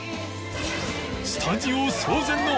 スタジオ騒然の